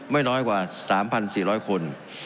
ไม่น้อยกว่า๓๔๐๐คน